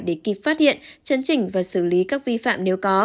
để kịp phát hiện chấn chỉnh và xử lý các vi phạm nếu có